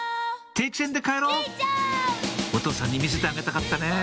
定期船で帰ろうお父さんに見せてあげたかったね